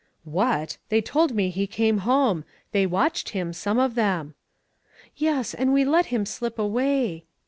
" What ! They told me he came home. They watched him, some of them." " Yes, and we let him slip away."